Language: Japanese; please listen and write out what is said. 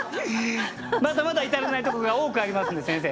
まだまだ至らないとこが多くありますんで先生。